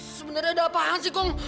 sebenarnya ada apaan sih kok